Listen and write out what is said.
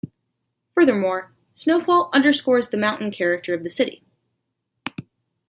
Furthermore, snowfall underscores the mountain character of the city.